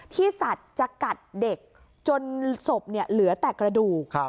สัตว์จะกัดเด็กจนศพเหลือแต่กระดูก